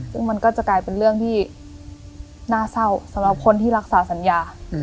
ซึ่งมันก็จะกลายเป็นเรื่องที่น่าเศร้าสำหรับคนที่รักษาสัญญา